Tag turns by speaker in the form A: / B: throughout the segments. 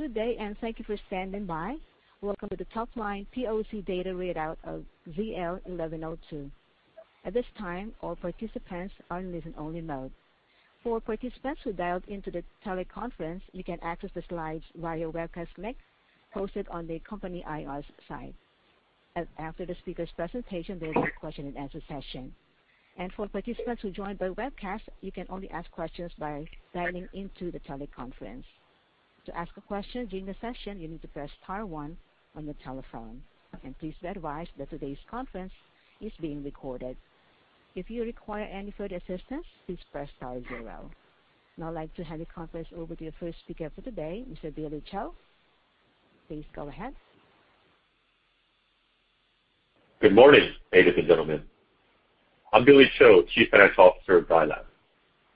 A: Good day, and thank you for standing by. Welcome to the top-line POC data readout of ZL-1102. Now I'd like to hand the conference over to the first speaker for the day, Mr. Billy Cho. Please go ahead.
B: Good morning, ladies and gentlemen. I'm Billy Cho, Chief Financial Officer of Zai Lab.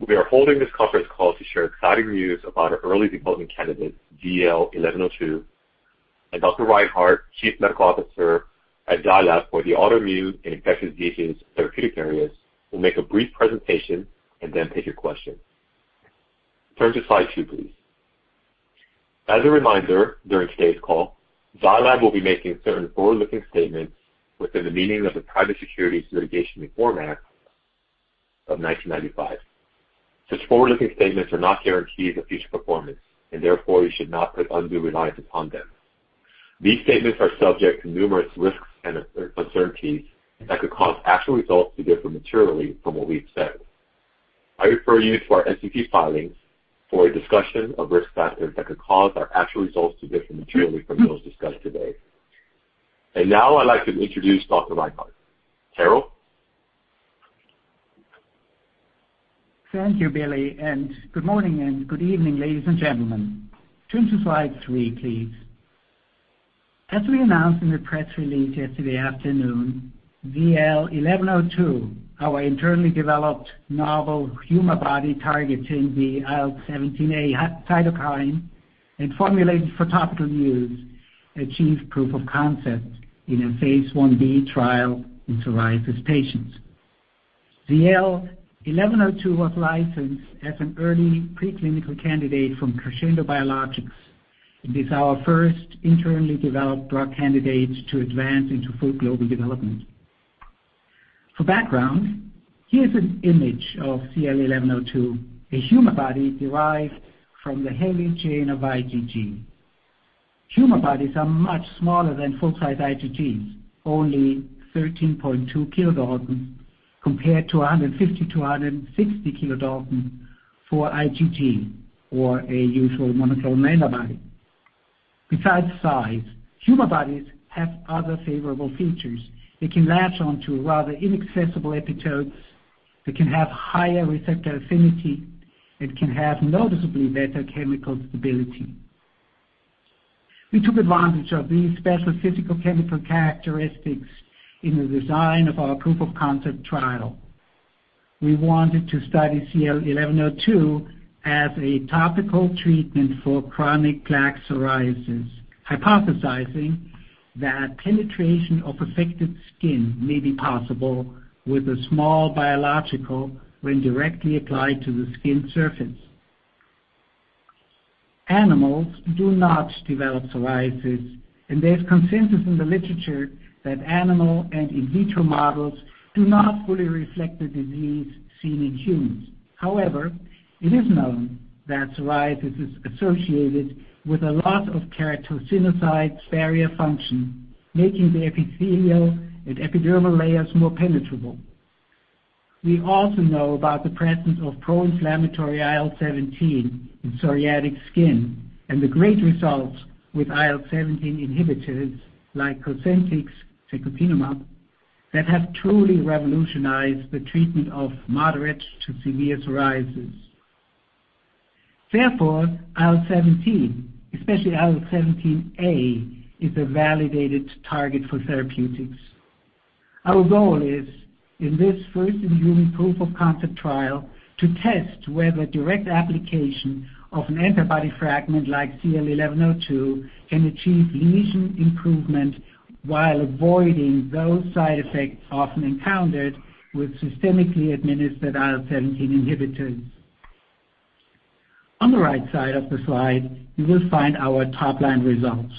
B: We are holding this conference call to share exciting news about our early development candidate, ZL-1102, and Dr. Reinhart, Chief Medical Officer at Zai Lab for the Autoimmune and Infectious Diseases therapeutic areas, will make a brief presentation and then take your questions. Turn to slide two, please. As a reminder, during today's call, Zai Lab will be making certain forward-looking statements within the meaning of the Private Securities Litigation Reform Act of 1995. Such forward-looking statements are not guarantees of future performance, therefore you should not put undue reliance upon them. These statements are subject to numerous risks and uncertainties that could cause actual results to differ materially from what we have said. I refer you to our SEC filings for a discussion of risk factors that could cause our actual results to differ materially from those discussed today. Now I'd like to introduce Dr. Reinhart. Harald?
C: Thank you, Billy. Good morning and good evening, ladies and gentlemen. Turn to slide three, please. As we announced in the press release yesterday afternoon, ZL-1102, our internally developed novel Humabody targeting the IL-17A cytokine and formulated for topical use, achieved proof of concept in a phase I-B trial in psoriasis patients. ZL-1102 was licensed as an early preclinical candidate from Crescendo Biologics. It is our first internally developed drug candidate to advance into full global development. For background, here's an image of ZL-1102, a Humabody derived from the heavy chain of IgG. Humabodies are much smaller than full-size IgGs, only 13.2 kilodalton compared to 150 kilodalton-160 kilodalton for IgG or a usual monoclonal antibody. Besides size, Humabodies have other favorable features. They can latch onto rather inaccessible epitopes. They can have higher receptor affinity and can have noticeably better chemical stability. We took advantage of these special physical-chemical characteristics in the design of our proof-of-concept trial. We wanted to study ZL-1102 as a topical treatment for chronic plaque psoriasis, hypothesizing that penetration of affected skin may be possible with a small biological when directly applied to the skin surface. Animals do not develop psoriasis. There's consensus in the literature that animal and in vitro models do not fully reflect the disease seen in humans. However, it is known that psoriasis is associated with a loss of keratinocytes barrier function, making the epithelial and epidermal layers more penetrable. We also know about the presence of pro-inflammatory IL-17 in psoriatic skin and the great results with IL-17 inhibitors like COSENTYX, secukinumab, that have truly revolutionized the treatment of moderate to severe psoriasis. Therefore, IL-17, especially IL-17A, is a validated target for therapeutics. Our goal is, in this first-in-human proof-of-concept trial, to test whether direct application of an antibody fragment like ZL-1102 can achieve lesion improvement while avoiding those side effects often encountered with systemically administered IL-17 inhibitors. On the right side of the slide, you will find our top-line results.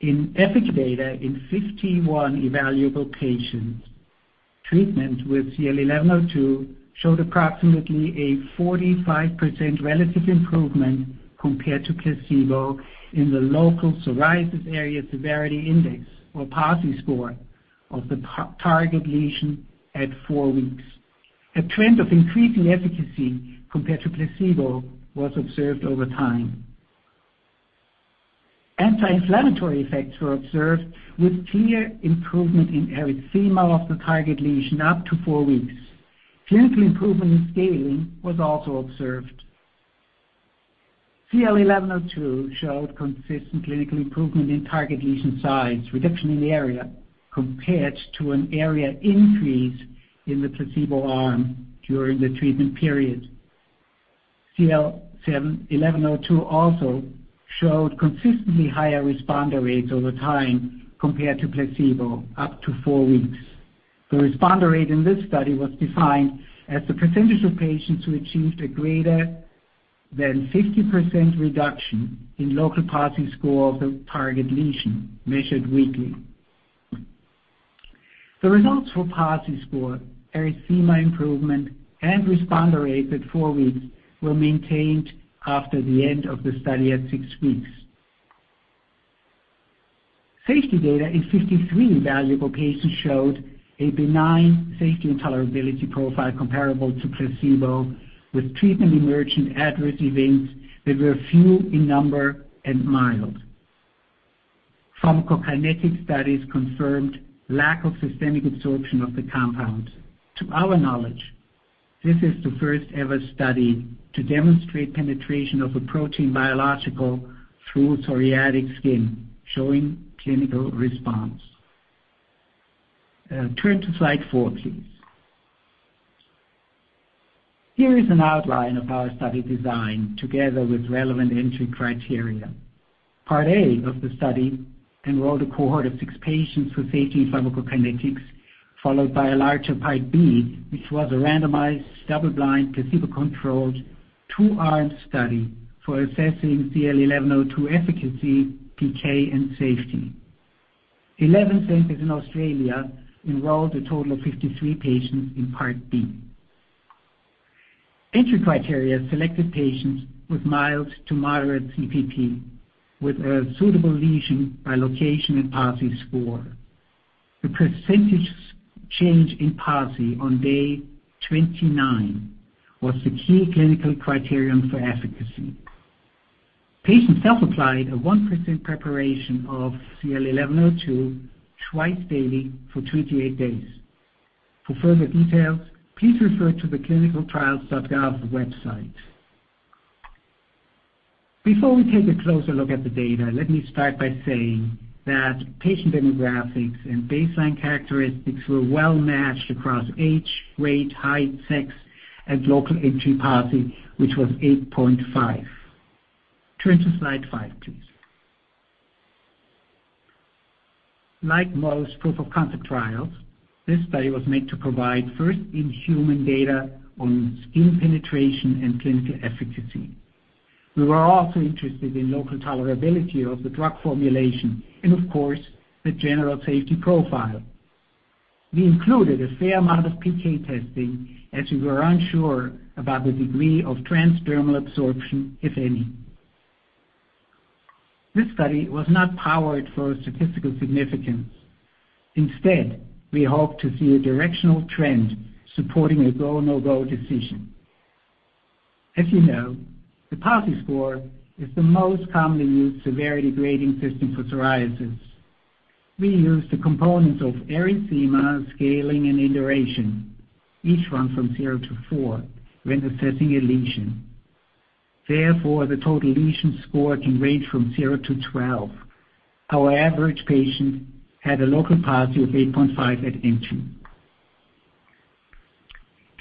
C: In efficacy data in 51 evaluable patients, treatment with ZL-1102 showed approximately a 45% relative improvement compared to placebo in the local Psoriasis Area and Severity Index, or PASI score, of the target lesion at four weeks. A trend of increasing efficacy compared to placebo was observed over time. Anti-inflammatory effects were observed with clear improvement in erythema of the target lesion up to four weeks. Clinical improvement in scaling was also observed. ZL-1102 showed consistent clinical improvement in target lesion size reduction in the area compared to an area increase in the placebo arm during the treatment period. ZL-1102 also showed consistently higher responder rates over time compared to placebo up to four weeks. The responder rate in this study was defined as the percentage of patients who achieved a greater than 50% reduction in local PASI score of the target lesion measured weekly. The results for PASI score, erythema improvement, and responder rate at four weeks were maintained after the end of the study at six weeks. Safety data in 53 evaluable patients showed a benign safety and tolerability profile comparable to placebo, with treatment-emergent adverse events that were few in number and mild. Pharmacokinetic studies confirmed lack of systemic absorption of the compound. To our knowledge, this is the first-ever study to demonstrate penetration of a protein biological through psoriatic skin, showing clinical response. Turn to slide four, please. Here is an outline of our study design together with relevant entry criteria. Part A of the study enrolled a cohort of six patients with safety and pharmacokinetics, followed by a larger Part B, which was a randomized, double-blind, placebo-controlled, two-arm study for assessing ZL-1102 efficacy, PK, and safety. 11 centers in Australia enrolled a total of 53 patients in Part B. Entry criteria selected patients with mild to moderate CPP, with a suitable lesion by location and PASI score. The percentage change in PASI on day 29 was the key clinical criterion for efficacy. Patients self-applied a 1% preparation of ZL-1102 twice daily for 28 days. For further details, please refer to the ClinicalTrials.gov website. Before we take a closer look at the data, let me start by saying that patient demographics and baseline characteristics were well-matched across age, weight, height, sex, and local entry PASI, which was 8.5. Turn to slide five, please. Like most proof-of-concept trials, this study was made to provide first-in-human data on skin penetration and clinical efficacy. We were also interested in local tolerability of the drug formulation and, of course, the general safety profile. We included a fair amount of PK testing as we were unsure about the degree of transdermal absorption, if any. This study was not powered for statistical significance. Instead, we hope to see a directional trend supporting a go or no-go decision. As you know, the PASI score is the most commonly used severity grading system for psoriasis. We use the components of erythema, scaling, and induration, each run from zero to four when assessing a lesion. Therefore, the total lesion score can range from 0-12. Our average patient had a local PASI of 8.5 at entry.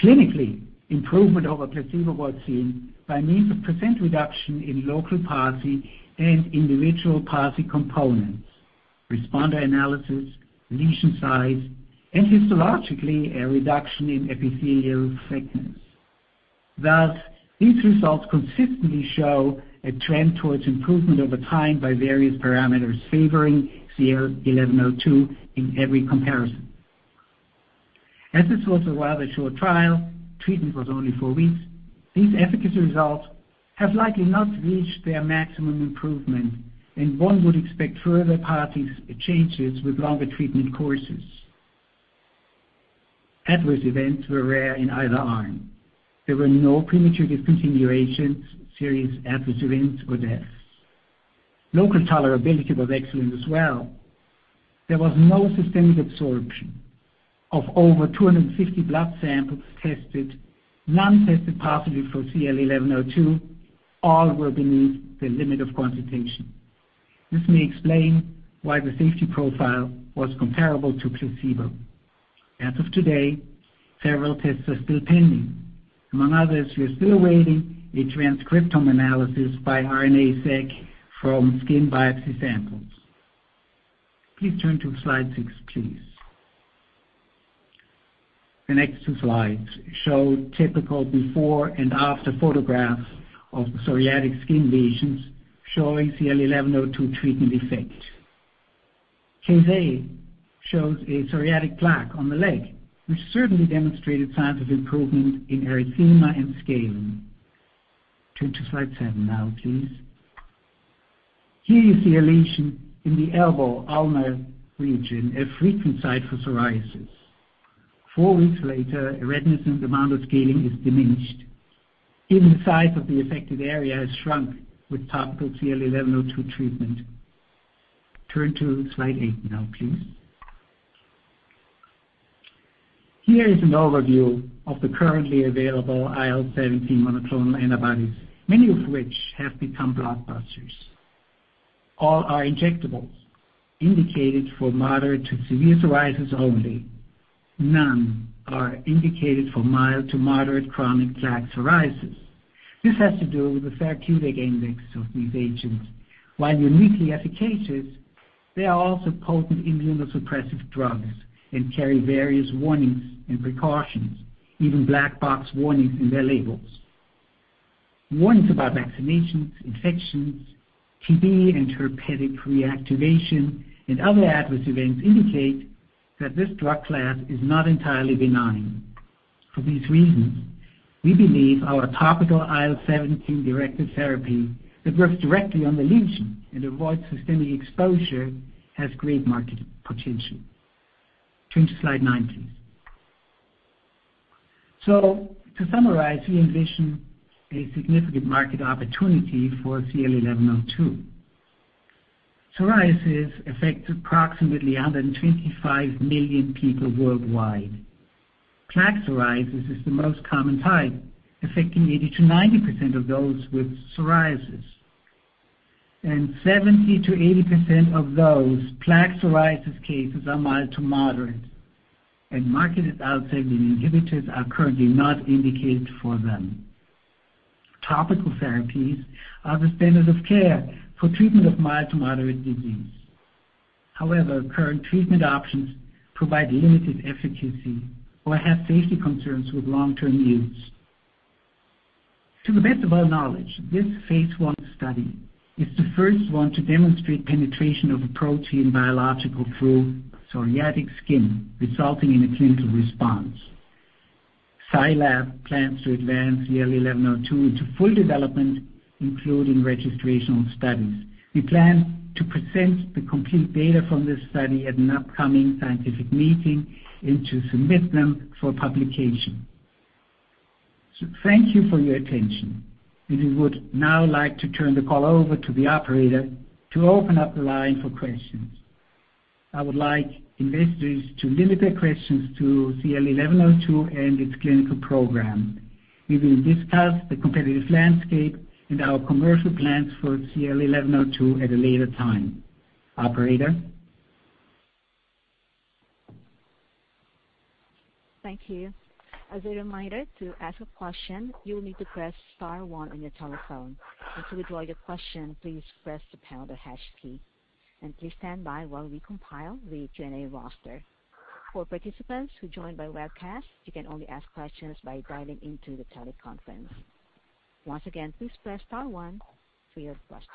C: Clinically, improvement over placebo was seen by means of percent reduction in local PASI and individual PASI components, responder analysis, lesion size, and histologically, a reduction in epithelial thickness. These results consistently show a trend towards improvement over time by various parameters, favoring ZL-1102 in every comparison. This was a rather short trial, treatment was only four weeks, these efficacy results have likely not reached their maximum improvement, and one would expect further PASI changes with longer treatment courses. Adverse events were rare in either arm. There were no premature discontinuations, serious adverse events, or deaths. Local tolerability was excellent as well. There was no systemic absorption. Of over 250 blood samples tested, none tested positive for ZL-1102. All were beneath the limit of quantification. This may explain why the safety profile was comparable to placebo. As of today, several tests are still pending. Among others, we are still awaiting a transcriptome analysis by RNA-Seq from skin biopsy samples. Please turn to slide six, please. The next two slides show typical before and after photographs of the psoriatic skin lesions showing ZL-1102 treatment effect. Case A shows a psoriatic plaque on the leg, which certainly demonstrated signs of improvement in erythema and scaling. Turn to slide seven now, please. Here you see a lesion in the elbow, ulnar region, a frequent site for psoriasis. Four weeks later, redness and amount of scaling is diminished, and the size of the affected area has shrunk with topical ZL-1102 treatment. Turn to slide eight now, please. Here is an overview of the currently available IL-17 monoclonal antibodies, many of which have become blockbusters. All are injectables indicated for moderate to severe psoriasis only. None are indicated for mild to moderate chronic plaque psoriasis. This has to do with the therapeutic index of these agents. While uniquely efficacious, they are also potent immunosuppressive drugs and carry various warnings and precautions, even black box warnings in their labels. Warnings about vaccinations, infections, TB, and herpetic reactivation, and other adverse events indicate that this drug class is not entirely benign. For these reasons, we believe our topical IL-17 directed therapy that works directly on the lesion and avoids systemic exposure has great market potential. Turn to slide 19. To summarize, we envision a significant market opportunity for ZL-1102. Psoriasis affects approximately 125 million people worldwide. Plaque psoriasis is the most common type, affecting 80%-90% of those with psoriasis. 70%-80% of those plaque psoriasis cases are mild to moderate, and marketed IL-17 inhibitors are currently not indicated for them. Topical therapies are the standard of care for treatment of mild to moderate disease. Current treatment options provide limited efficacy or have safety concerns with long-term use. To the best of our knowledge, this phase I study is the first one to demonstrate penetration of a protein biological through psoriatic skin, resulting in a clinical response. Zai Lab plans to advance ZL-1102 into full development, including registrational studies. We plan to present the complete data from this study at an upcoming scientific meeting and to submit them for publication. Thank you for your attention. We would now like to turn the call over to the operator to open up the line for questions. I would like investors to limit their questions to ZL-1102 and its clinical program. We will discuss the competitive landscape and our commercial plans for ZL-1102 at a later time. Operator?
A: Thank you. As a reminder, to ask a question, you will need to press star one on your telephone. To withdraw your question, please press the pound or hash key. Please stand by while we compile the Q&A roster. For participants who join by webcast, you can only ask questions by dialing into the teleconference. Once again, please press star one for your questions.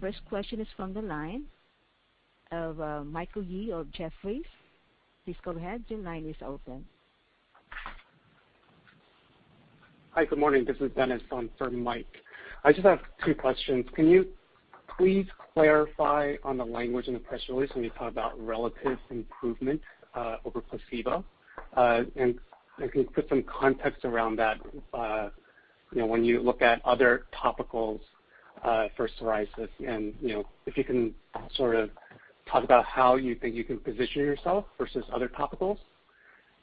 A: The first question is from the line of Michael Yee of Jefferies. Please go ahead. Your line is open.
D: Hi. Good morning. This is Dennis on for Mike. I just have two questions. Can you please clarify on the language in the press release when you talk about relative improvement over placebo? Can you put some context around that when you look at other topicals for psoriasis, and if you can sort of talk about how you think you can position yourself versus other topicals?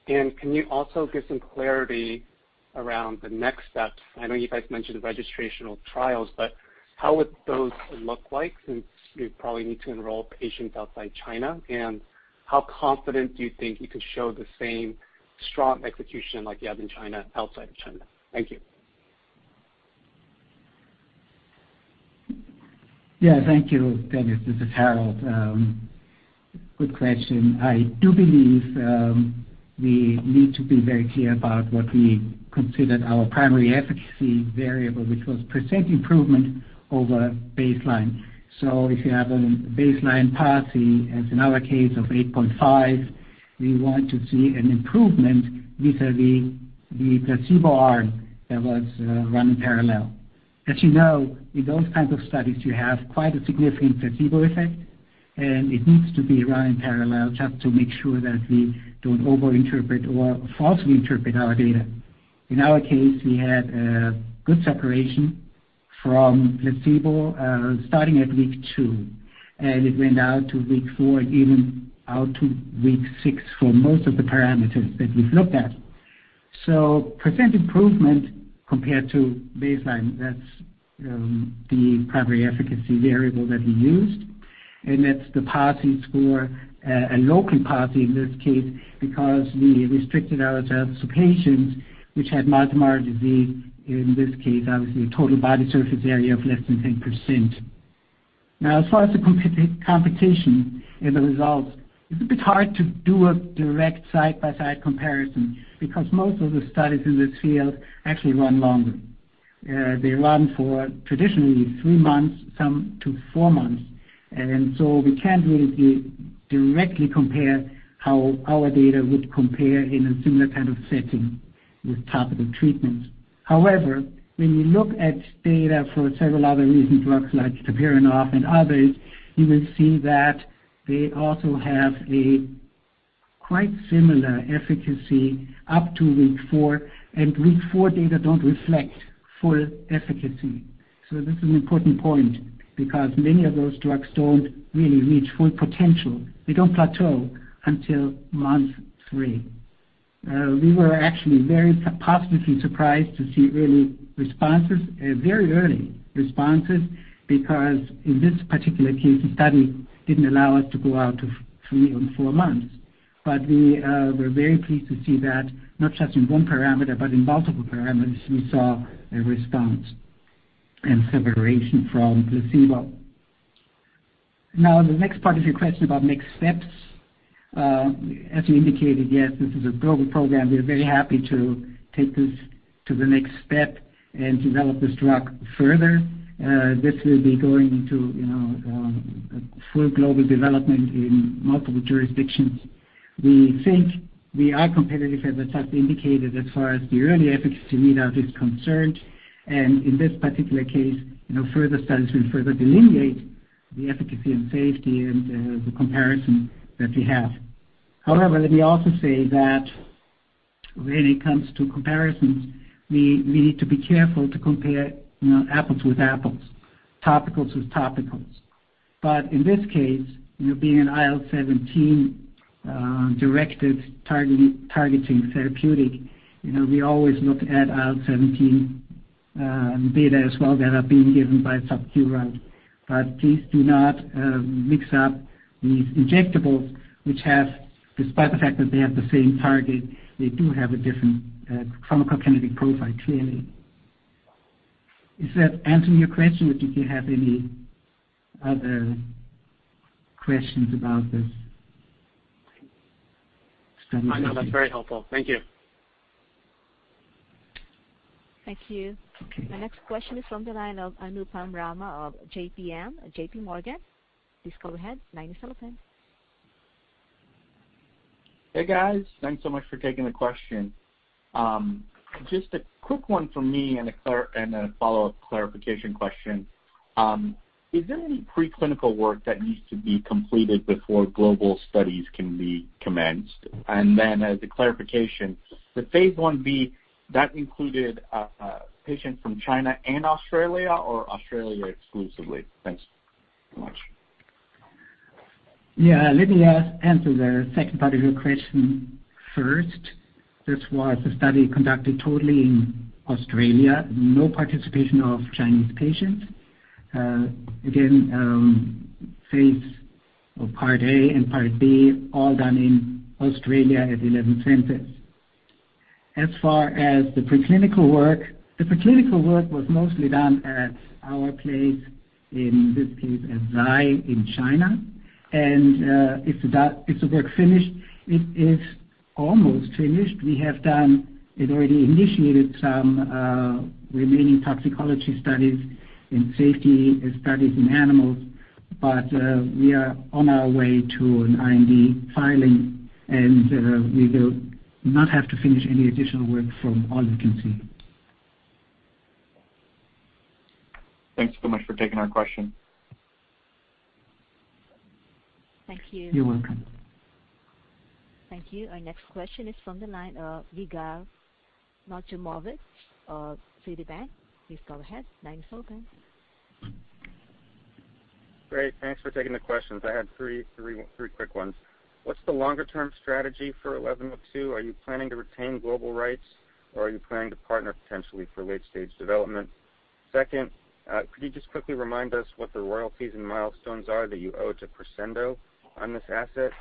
D: Can you also give some clarity around the next steps? I know you guys mentioned the registrational trials, but how would those look like since you probably need to enroll patients outside China? How confident do you think you can show the same strong execution like you have in China outside of China? Thank you.
C: Thank you, Dennis. This is Harald. Good question. I do believe we need to be very clear about what we considered our primary efficacy variable, which was % improvement over baseline. If you have a baseline PASI, as in our case, of 8.5, we want to see an improvement vis-à-vis the placebo arm that was run in parallel. As you know, in those kinds of studies, you have quite a significant placebo effect, it needs to be run in parallel just to make sure that we don't over-interpret or falsely interpret our data. In our case, we had a good separation from placebo starting at week two, it went out to week four, even out to week six for most of the parameters that we've looked at. Percent improvement compared to baseline, that's the primary efficacy variable that we used, and that's the PASI score, a local PASI in this case, because we restricted ourselves to patients which had mild to moderate disease, in this case, obviously a total body surface area of less than 10%. As far as the competition and the results, it's a bit hard to do a direct side-by-side comparison because most of the studies in this field actually run longer. They run for traditionally three months, some to four months. We can't really directly compare how our data would compare in a similar kind of setting with topical treatments. When we look at data for several other recent drugs like tapinarof and others, you will see that they also have a quite similar efficacy up to week four, and week four data don't reflect full efficacy. This is an important point, because many of those drugs don't really reach full potential. They don't plateau until month three. We were actually very positively surprised to see early responses, very early responses, because in this particular case, the study didn't allow us to go out to three and four months. We were very pleased to see that not just in one parameter, but in multiple parameters, we saw a response and separation from placebo. The next part of your question about next steps. As you indicated, yes, this is a global program. We are very happy to take this to the next step and develop this drug further. This will be going into full global development in multiple jurisdictions. We think we are competitive, as the study indicated, as far as the early efficacy readout is concerned. In this particular case, further studies will further delineate the efficacy and safety and the comparison that we have. However, let me also say that when it comes to comparisons, we need to be careful to compare apples with apples, topicals with topicals. In this case, being an IL-17-directed targeting therapeutic, we always look at IL-17 data as well that are being given by subcutaneous route. Please do not mix up these injectables, which have, despite the fact that they have the same target, they do have a different pharmacokinetic profile clearly. Does that answer your question, or did you have any other questions about this study?
D: No, that's very helpful. Thank you.
A: Thank you. Our next question is from the line of Anupam Rama of JPM, J.P. Morgan. Please go ahead. Line is open.
E: Hey, guys. Thanks so much for taking the question. Just a quick one from me and a follow-up clarification question. Is there any preclinical work that needs to be completed before global studies can be commenced? As a clarification, the phase I-B, that included patients from China and Australia or Australia exclusively? Thanks so much.
C: Yeah. Let me answer the second part of your question first. This was a study conducted totally in Australia. No participation of Chinese patients. phase or Part A and Part B all done in Australia at 11 centers. As far as the preclinical work, the preclinical work was mostly done at our place, in this case, at Zai in China. Is the work finished? It is almost finished. We have done and already initiated some remaining toxicology studies and safety studies in animals. We are on our way to an IND filing, and we will not have to finish any additional work from all we can see.
E: Thanks so much for taking my question.
A: Thank you.
C: You're welcome.
A: Thank you. Our next question is from the line of Yigal Nochomovitz of Citi. Please go ahead. Line is open.
F: Great. Thanks for taking the questions. I had three quick ones. What's the longer-term strategy for 1102? Are you planning to retain global rights, or are you planning to partner potentially for late-stage development? Second, could you just quickly remind us what the royalties and milestones are that you owe to Crescendo on this asset?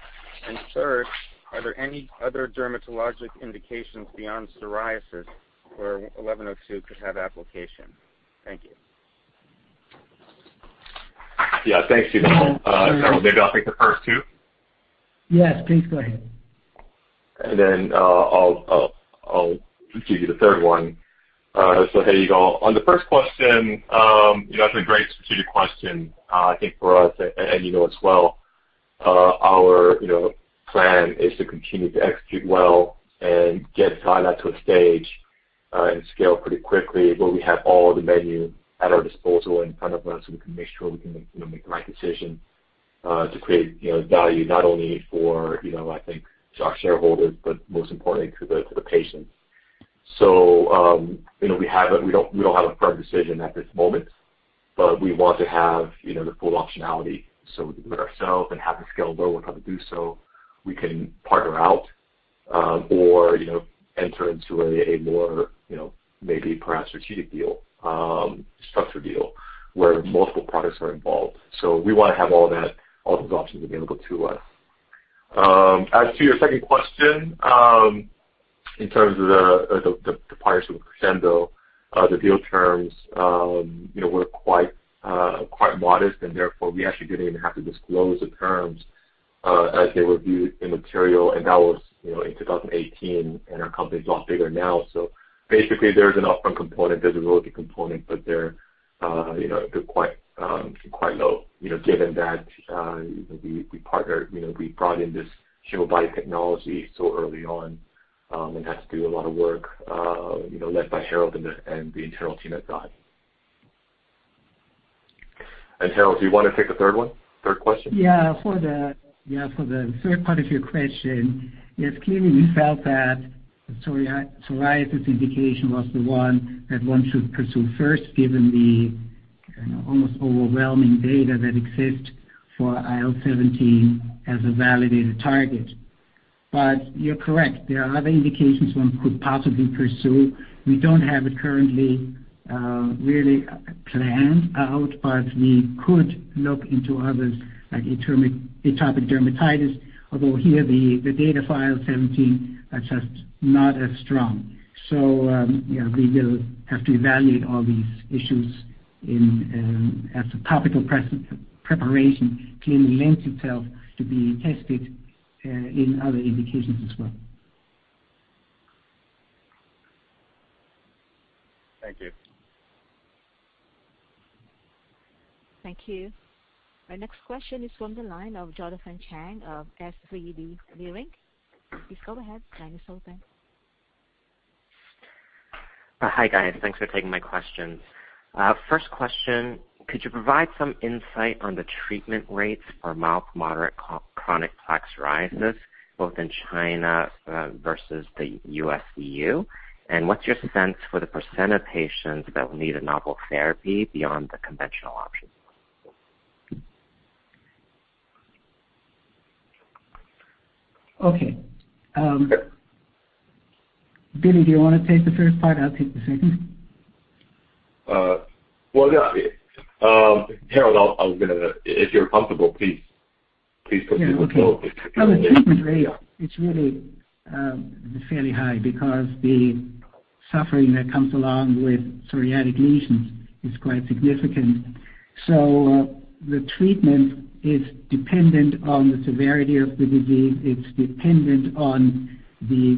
F: Third, are there any other dermatologic indications beyond psoriasis where 1102 could have application? Thank you.
B: Yeah. Thanks, Yigal. Harald, maybe I'll take the first two?
C: Yes, please go ahead.
B: I'll give you the third one. Hey, Yigal. On the first question, that's a great strategic question. I think for us, and you know as well, our plan is to continue to execute well and get Zai Lab to a stage and scale pretty quickly where we have all the menu at our disposal in front of us so we can make sure we can make the right decision to create value not only for our shareholders, but most importantly, to the patient. We don't have a firm decision at this moment, but we want to have the full optionality. We can do it ourself and have the scale to be able to do so. We can partner out or enter into a more maybe perhaps strategic deal, structured deal where multiple products are involved. We want to have all those options available to us. As to your second question, in terms of the partners with Crescendo, the deal terms were quite modest, and therefore, we actually didn't even have to disclose the terms as they were viewed immaterial. That was in 2018, and our company's a lot bigger now. Basically, there's an upfront component, there's a royalty component, but they're quite low, given that we partnered, we brought in this human biotechnology so early on and had to do a lot of work, led by Harald and the internal team at Zai. Harald, do you want to take the third one? Third question.
C: For the third part of your question, yes, clearly, we felt that psoriasis indication was the one that one should pursue first, given the almost overwhelming data that exists for IL-17 as a validated target. You're correct. There are other indications one could possibly pursue. We don't have it currently really planned out, but we could look into others, like atopic dermatitis, although here the data for IL-17 are just not as strong. We will have to evaluate all these issues as a topical preparation. Clearly, lent itself to be tested in other indications as well.
F: Thank you.
A: Thank you. Our next question is from the line of Jonathan Chang of Leerink. Please go ahead. Line is open.
G: Hi, guys. Thanks for taking my questions. First question, could you provide some insight on the treatment rates for mild to moderate chronic plaque psoriasis, both in China versus the U.S./EU? What's your sense for the percent of patients that will need a novel therapy beyond the conventional options?
C: Okay. Billy, do you want to take the first part? I'll take the second.
B: Well, yeah. Harald, if you're comfortable, please put me on.
C: Yeah, okay. Well, the treatment rate, it is really fairly high because the suffering that comes along with psoriatic lesions is quite significant. The treatment is dependent on the severity of the disease, it is dependent on the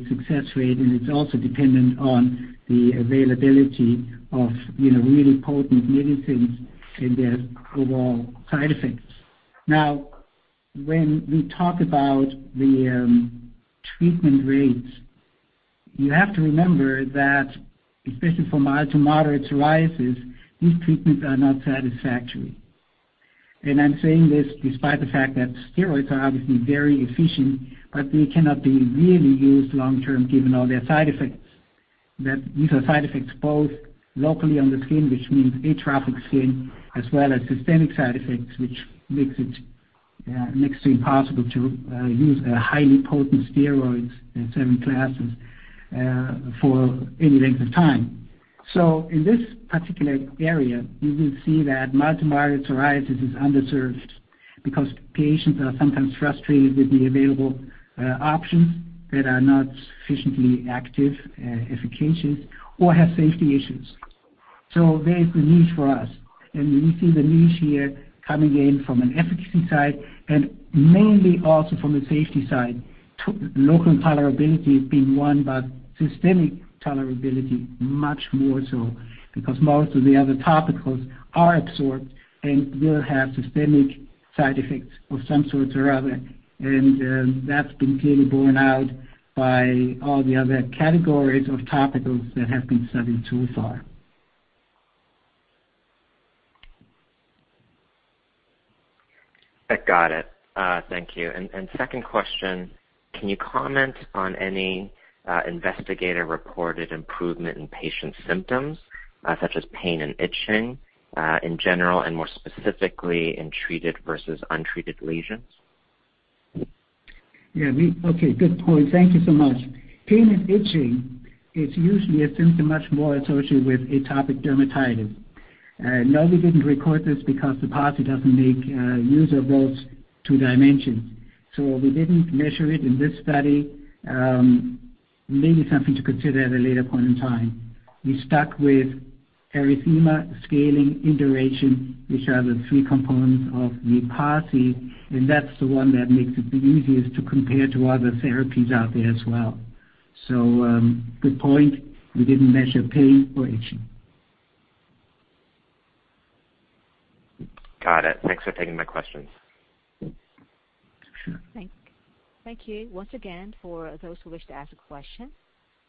C: success rate, and it is also dependent on the availability of really potent medicines and their overall side effects. When we talk about the treatment rates, you have to remember that, especially for mild to moderate psoriasis, these treatments are not satisfactory. I am saying this despite the fact that steroids are obviously very efficient, but they cannot be really used long-term given all their side effects. That these are side effects both locally on the skin, which means atrophic skin, as well as systemic side effects, which makes it next to impossible to use highly potent steroids in certain classes for any length of time. In this particular area, you will see that mild to moderate psoriasis is underserved because patients are sometimes frustrated with the available options that are not sufficiently active, efficacious, or have safety issues. There is the niche for us, and we see the niche here coming in from an efficacy side and mainly also from the safety side to local tolerability being one, but systemic tolerability much more so, because most of the other topicals are absorbed and will have systemic side effects of some sorts or other. That's been clearly borne out by all the other categories of topicals that have been studied too far.
G: Got it. Thank you. Second question, can you comment on any investigator-reported improvement in patients' symptoms, such as pain and itching, in general, and more specifically in treated versus untreated lesions?
C: Yeah. Okay. Good point. Thank you so much. Pain and itching is usually a symptom much more associated with atopic dermatitis. No, we didn't record this because the PASI doesn't make user votes to dimensions, so we didn't measure it in this study. Maybe something to consider at a later point in time. We stuck with erythema, scaling, induration, which are the three components of the PASI, and that's the one that makes it the easiest to compare to other therapies out there as well. Good point. We didn't measure pain or itching.
G: Got it. Thanks for taking my questions.
A: Thank you. Once again, for those who wish to ask a question,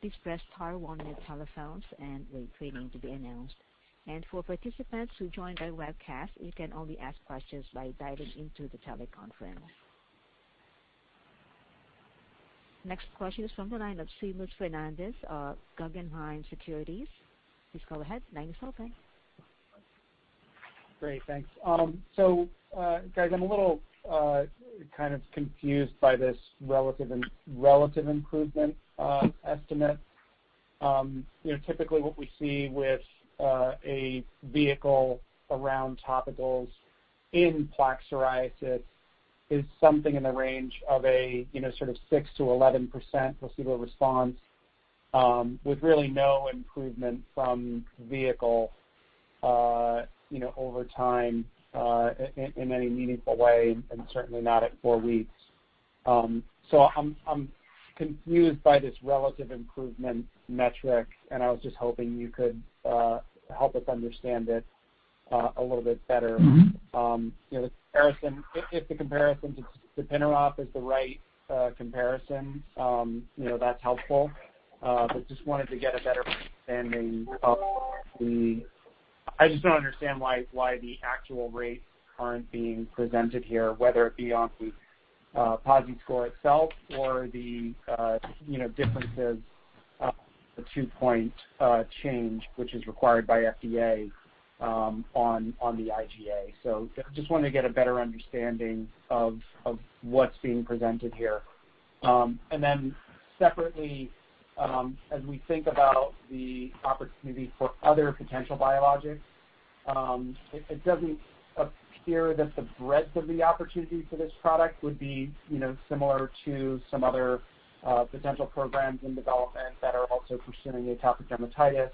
A: please press star one on your telephones and wait for your name to be announced. For participants who joined by webcast, you can only ask questions by dialing into the teleconference. Next question is from the line of Seamus Fernandez of Guggenheim Securities. Please go ahead. Line is open.
H: Great. Thanks. Guys, I'm a little kind of confused by this relative improvement estimate. Typically, what we see with a vehicle around topicals in plaque psoriasis is something in the range of a 6%-11% placebo response, with really no improvement from vehicle over time in any meaningful way, and certainly not at four weeks. I'm confused by this relative improvement metric, and I was just hoping you could help us understand it a little bit better. If the comparison to tapinarof is the right comparison, that's helpful. Just wanted to get a better understanding of the, I just don't understand why the actual rate current being presented here, whether it be on the PASI score itself or the differences of the two-point change, which is required by FDA on the IGA. I just wanted to get a better understanding of what's being presented here. Separately, as we think about the opportunity for other potential biologics, it doesn't appear that the breadth of the opportunity for this product would be similar to some other potential programs in development that are also pursuing atopic dermatitis.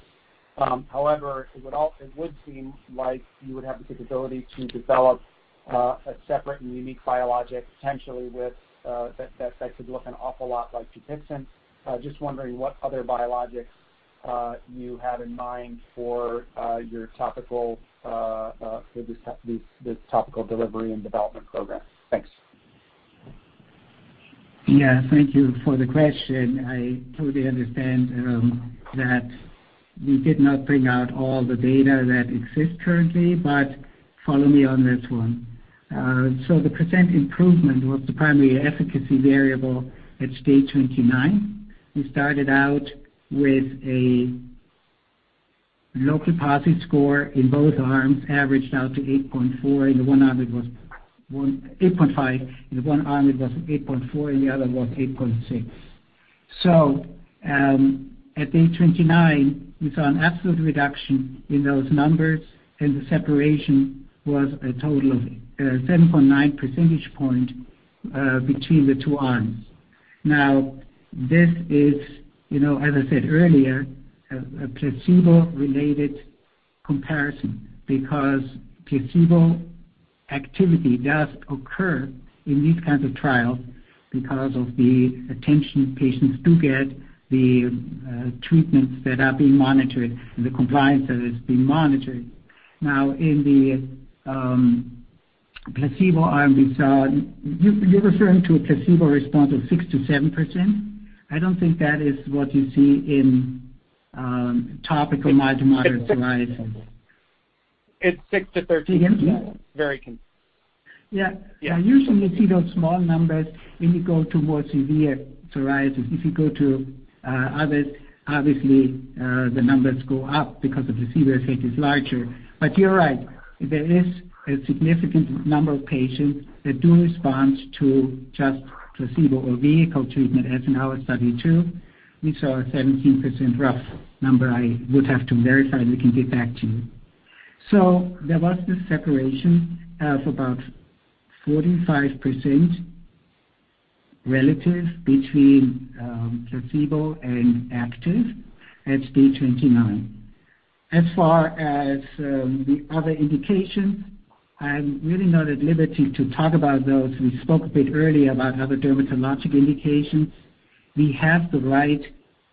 H: However, it would seem like you would have the capability to develop a separate and unique biologic potentially that could look an awful lot like DUPIXENT. Just wondering what other biologics you have in mind for this topical delivery and development program. Thanks.
C: Yeah. Thank you for the question. I totally understand that we did not bring out all the data that exists currently, but follow me on this one. The percent improvement was the primary efficacy variable at day 29. We started out with a low PASI score in both arms, averaged out to 8.4, in the one arm it was 8.5. In one arm, it was 8.4, in the other it was 8.6. At day 29, we saw an absolute reduction in those numbers, and the separation was a total of 7.9 percentage point between the two arms. This is, as I said earlier, a placebo-related comparison because placebo activity does occur in these kinds of trials because of the attention patients do get, the treatments that are being monitored, and the compliance that is being monitored. In the placebo arm, you're referring to a placebo response of 6%-7%? I don't think that is what you see in topical moderate to severe psoriasis.
H: It's 6%-13%, very consistent.
C: Yeah. Usually you see those small numbers when you go towards severe psoriasis. If you go to others, obviously, the numbers go up because the placebo effect is larger. You're right, there is a significant number of patients that do respond to just placebo or vehicle treatment, as in our study, too. We saw a 17% rough number. I would have to verify, and we can get back to you. There was this separation of about 45% relative between placebo and active at day 29. As far as the other indications, I'm really not at liberty to talk about those. We spoke a bit earlier about other dermatologic indications. We have the right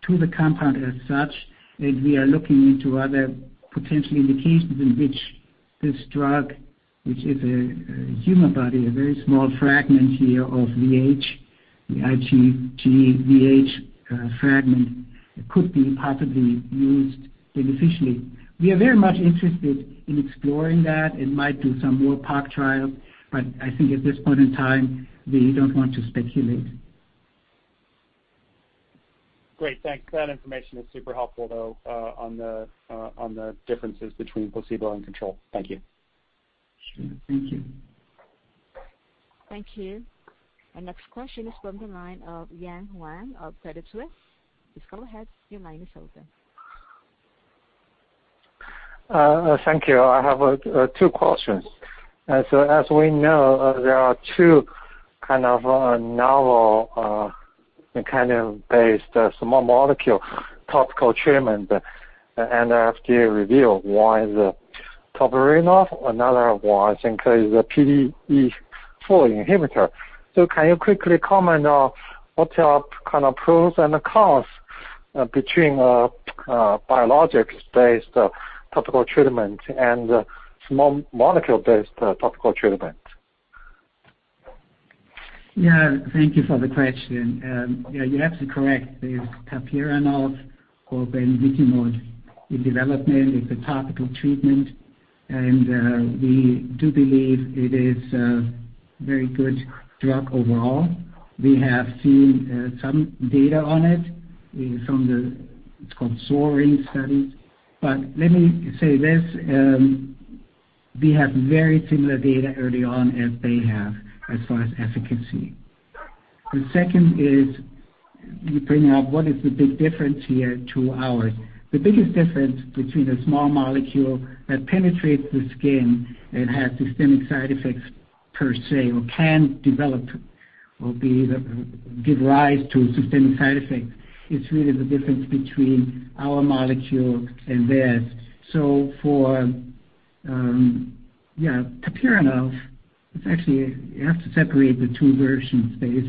C: to the compound as such, and we are looking into other potential indications in which this drug, which is a Humabody, a very small fragment here of VH, the IGVH fragment, could be possibly used beneficially. We are very much interested in exploring that and might do some more POC trials. I think at this point in time, we don't want to speculate.
H: Great. Thanks. That information is super helpful, though, on the differences between placebo and control. Thank you.
C: Sure. Thank you.
A: Thank you. Our next question is from the line of Yan Wang of Credit Suisse. Please go ahead. Your line is open.
I: Thank you. I have two questions. As we know, there are two kind of novel, mechanism-based, small molecule topical treatments under FDA review. One is the tapinarof, another one I think is a PDE4 inhibitor. Can you quickly comment on what are kind of pros and the cons between biologics-based topical treatment and small molecule-based topical treatment?
C: Yan, thank you for the question. Yeah, you're absolutely correct. There's tapinarof or benvitimod in development. It's a topical treatment. We do believe it is a very good drug overall. We have seen some data on it. It's called PSOARING study. Let me say this, we have very similar data early on as they have as far as efficacy. The second is you bring up what is the big difference here to ours. The biggest difference between a small molecule that penetrates the skin and has systemic side effects per se, or can develop or give rise to systemic side effects, is really the difference between our molecule and theirs. For tapinarof, you have to separate the two versions. There is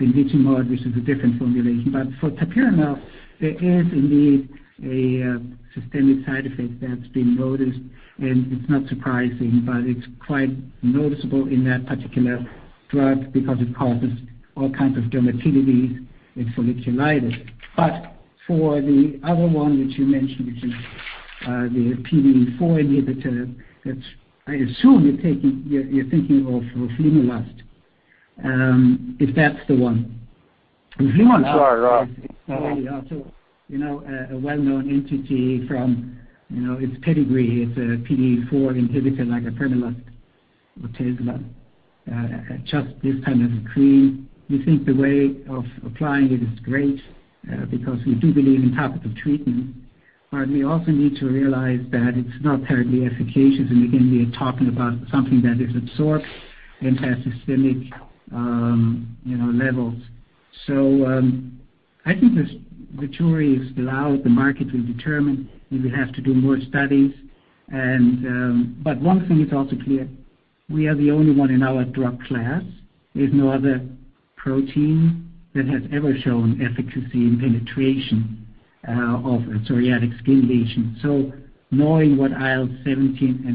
C: benvitimod, which is a different formulation. For tapinarof, there is indeed a systemic side effect that's been noticed, and it's not surprising, but it's quite noticeable in that particular drug because it causes all kinds of dermatitis and folliculitis. For the other one which you mentioned, the PDE4 inhibitor that I assume you're thinking of is filgotinib, if that's the one.
I: Sure.
C: Filgotinib is also a well-known entity from its pedigree. It's a PDE4 inhibitor like apremilast or tofacitinib, just this time as a cream. We think the way of applying it is great, because we do believe in topical treatment, but we also need to realize that it's not terribly efficacious. Again, we are talking about something that is absorbed into systemic levels. I think the jury is still out. The market will determine. We will have to do more studies. One thing is also clear, we are the only one in our drug class. There's no other protein that has ever shown efficacy in penetration of a psoriatic skin lesion. Knowing what IL-17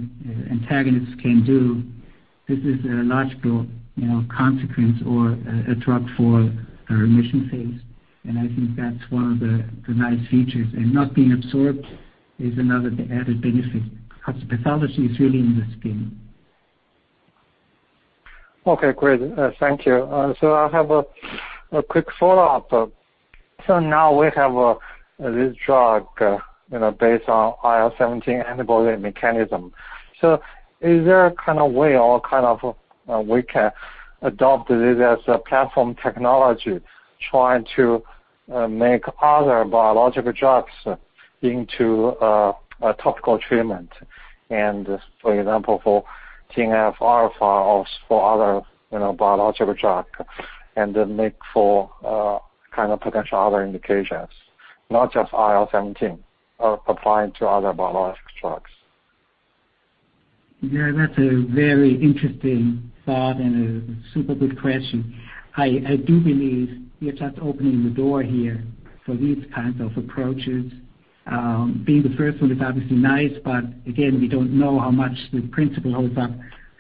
C: antagonists can do, this is a logical consequence or a drug for a remission phase. I think that's one of the nice features. Not being absorbed is another added benefit, because the pathology is really in the skin.
I: Okay, great. Thank you. I have a quick follow-up. Now we have this drug based on IL-17 antibody mechanism. Is there a way we can adopt it as a platform technology, trying to make other biological drugs into a topical treatment? For example, for TNF-alpha or for other biological drug, and then make for potential other indications, not just IL-17, applying to other biologic drugs.
C: Yeah, that's a very interesting thought and a super good question. I do believe we are just opening the door here for these kinds of approaches. Being the first one is obviously nice, but again, we don't know how much the principle holds up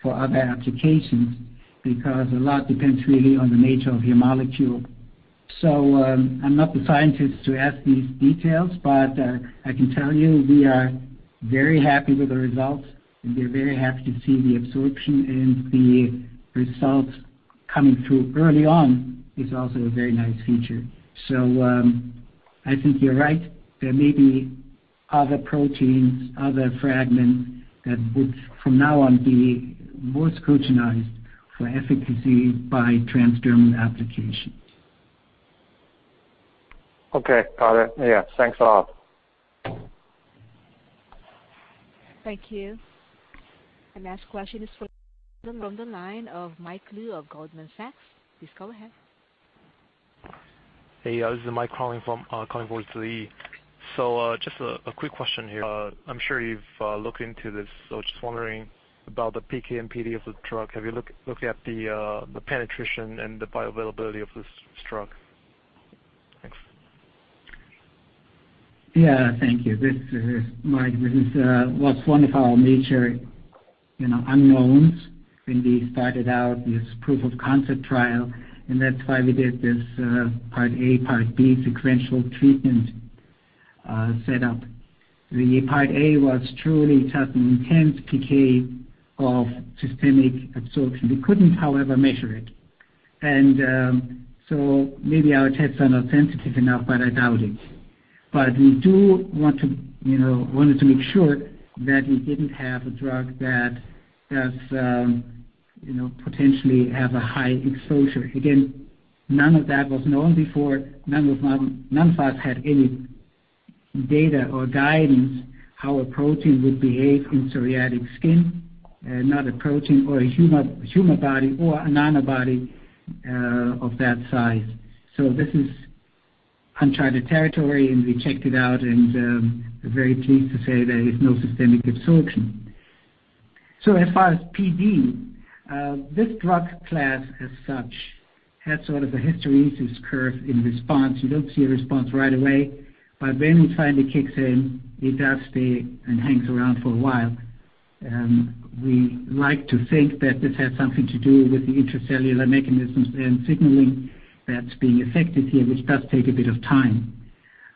C: for other applications, because a lot depends really on the nature of your molecule. I'm not the scientist to ask these details, but I can tell you we are very happy with the results, and we're very happy to see the absorption and the results coming through early on is also a very nice feature. I think you're right. There may be other proteins, other fragments, that would from now on be more scrutinized for efficacy by transdermal application.
I: Okay, got it. Yeah. Thanks a lot.
A: Thank you. The next question is from the line of Mike Liu of Goldman Sachs. Please go ahead.
J: Hey, this is Mike. Just a quick question here. I'm sure you've looked into this. Just wondering about the PK and PD of the drug. Have you looked at the penetration and the bioavailability of this drug? Thanks.
C: Yeah, thank you, Mike. This was one of our major unknowns when we started out this proof of concept trial, and that's why we did this Part A, Part B sequential treatment set up. The Part A was truly just an intense PK of systemic absorption. We couldn't, however, measure it. Maybe our tests are not sensitive enough, but I doubt it. We do wanted to make sure that we didn't have a drug that potentially have a high exposure. Again, none of that was known before. None of us had any data or guidance how a protein would behave in psoriatic skin, not a protein or a Humabody or an antibody of that size. This is uncharted territory, and we checked it out, and we're very pleased to say there is no systemic absorption. As far as PD, this drug class as such had sort of a hysteresis curve in response. You don't see a response right away, but when it finally kicks in, it does stay and hangs around for a while. We like to think that this has something to do with the intracellular mechanisms and signaling that's being affected here, which does take a bit of time.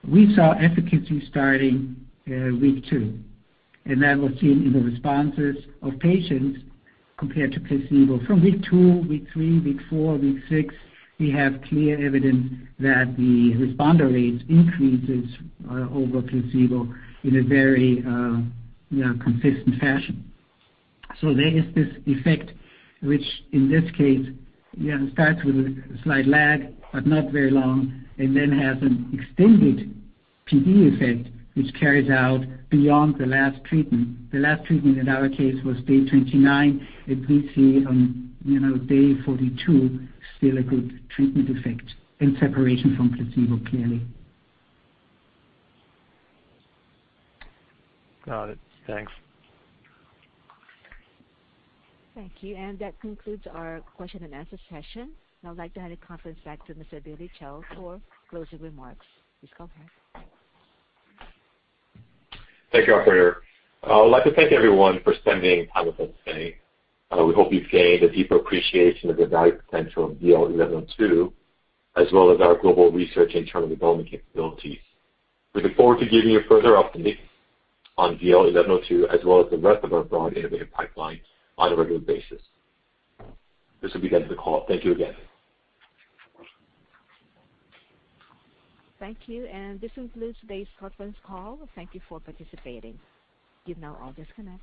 C: We saw efficacy starting week two, and that was seen in the responses of patients compared to placebo. From week two, week three, week four, week six, we have clear evidence that the responder rates increases over placebo in a very consistent fashion. There is this effect, which in this case starts with a slight lag, but not very long, and then has an extended PD effect which carries out beyond the last treatment. The last treatment in our case was day 29, and we see on day 42 still a good treatment effect and separation from placebo, clearly.
J: Got it. Thanks.
A: Thank you. That concludes our question-and-answer session. I'd like to hand the conference back to Mr. Billy Cho for closing remarks. Please go ahead.
B: Thank you, operator. I would like to thank everyone for spending time with us today. We hope you've gained a deeper appreciation of the value potential of ZL-1102, as well as our global research and development capabilities. We look forward to giving you further updates on ZL-1102, as well as the rest of our broad innovative pipeline on a regular basis. This will be the end of the call. Thank you again.
A: Thank you. This concludes today's conference call. Thank you for participating. You now all disconnect.